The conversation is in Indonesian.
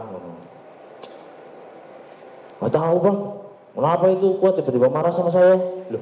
gak tau bang kenapa itu kuat tiba tiba marah sama saya